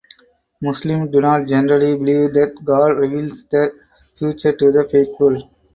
Muslims do not generally believe that God reveals the future to the faithful.